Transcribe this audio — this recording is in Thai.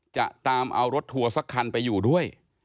จะตามเอารถทัวร์สักคันไปอยู่ด้วย